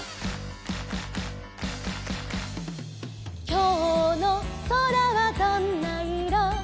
「きょうのそらはどんないろ？」